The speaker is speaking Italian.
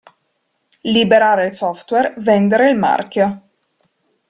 Liberare il software, vendere il marchio.